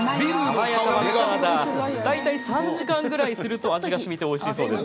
大体、３時間ぐらいすると味がしみておいしいそうです。